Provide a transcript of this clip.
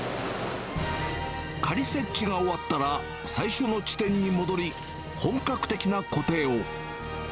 仮設置が終わったら、最初の地点に戻り、本格的な固定を。